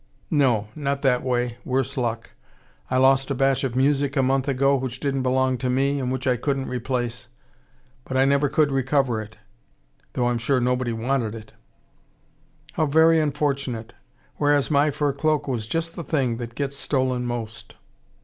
"No, not that way, worse luck. I lost a batch of music a month ago which didn't belong to me and which I couldn't replace. But I never could recover it: though I'm sure nobody wanted it." "How very unfortunate! Whereas my fur cloak was just the thing that gets stolen most."